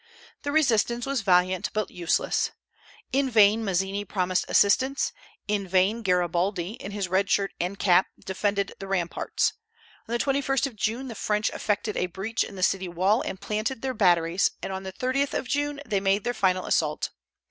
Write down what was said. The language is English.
The resistance was valiant but useless. In vain Mazzini promised assistance; in vain Garibaldi, in his red shirt and cap, defended the ramparts. On the 21st of June the French effected a breach in the city wall and planted their batteries, and on the 30th of June they made their final assault.